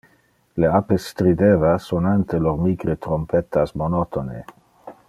Le apes strideva, sonante lor micre trompettas monotone.